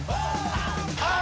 ああ！